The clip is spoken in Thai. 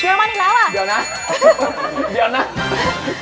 ให้ให้